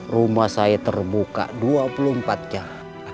rumah saya terbuka dua puluh empat jam